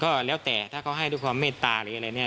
ก็แล้วแต่ถ้าเขาให้ด้วยความเมตตาหรืออะไรเนี่ย